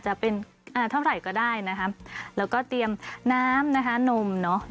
จะเป็นอ่าเท่าไหร่ก็ได้นะคะแล้วก็เตรียมน้ำนะคะนมเนอะ